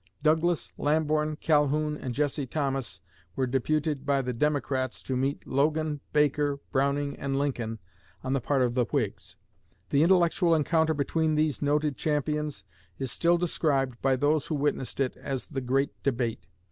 Douglas, Lamborn, Calhoun, and Jesse Thomas were deputed by the Democrats to meet Logan, Baker, Browning, and Lincoln on the part of the Whigs. The intellectual encounter between these noted champions is still described by those who witnessed it as "the great debate."